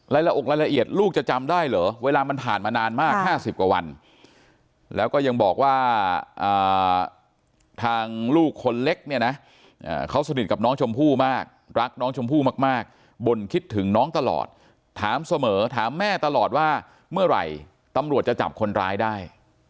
ละอกรายละเอียดลูกจะจำได้เหรอเวลามันผ่านมานานมาก๕๐กว่าวันแล้วก็ยังบอกว่าทางลูกคนเล็กเนี่ยนะเขาสนิทกับน้องชมพู่มากรักน้องชมพู่มากบ่นคิดถึงน้องตลอดถามเสมอถามแม่ตลอดว่าเมื่อไหร่ตำรวจจะจับคนร้ายได้